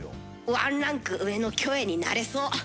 ワンランク上のキョエになれそう。